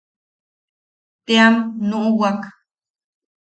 Team nuʼuwak.